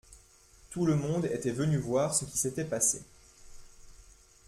Tout le monde était venu voir ce qui s’était passé.